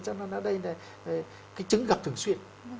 thế cho nên ở đây là cái chứng gặp thường xuyên